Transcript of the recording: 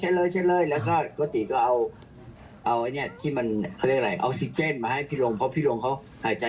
หรือคนกำลังเอฟกันอยู่